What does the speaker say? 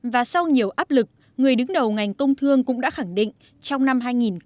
và sau nhiều áp lực người đứng đầu ngành công thương cũng đã khẳng định trong năm hai nghìn một mươi bảy hai nghìn một mươi tám